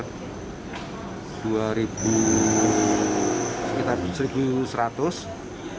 sedangkan untuk tes rapid antigen itu sekitar satu seratus